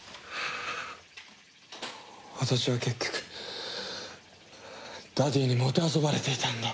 私は結局ダディーにもてあそばれていたんだ！